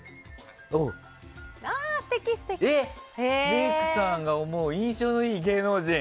メイクさんが思う印象のいい芸能人。